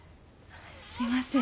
すいません。